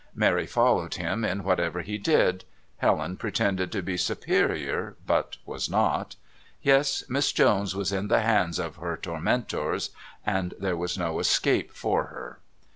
Mary followed him in whatever he did; Helen pretended to be superior, but was not. Yes, Miss Jones was in the hands of her tormentors, and there was no escape for her.